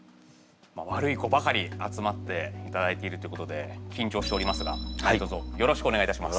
悪い子ばかり集まっていただいているということできんちょうしておりますが何とぞよろしくお願いいたします。